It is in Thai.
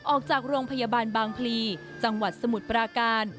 ออกจากโรงพยาบาลบางพลีจังหวัดสมุทรปราการ